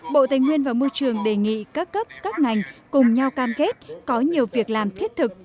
bộ tài nguyên và môi trường đề nghị các cấp các ngành cùng nhau cam kết có nhiều việc làm thiết thực